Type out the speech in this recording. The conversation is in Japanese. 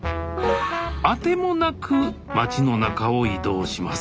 あてもなく町の中を移動します